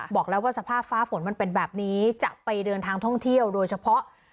บอกแล้วว่าสภาพฟ้าฝนมันเป็นแบบนี้จะไปเดินทางท่องเที่ยวโดยเฉพาะ